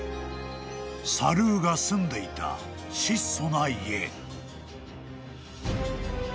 ［サルーが住んでいた質素な家］